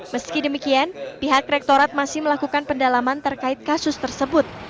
meski demikian pihak rektorat masih melakukan pendalaman terkait kasus tersebut